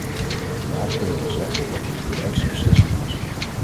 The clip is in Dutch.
Vandaag kunnen we zeggen dat het de juiste beslissing was.